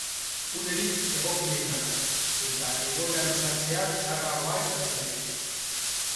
Unerik egokiena da, eta egoera luzatzea txarragoa izan daiteke.